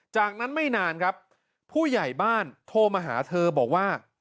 จากนั้นไม่นานครับผู้ใหญ่บ้านโทรมาหาเธอบอกว่า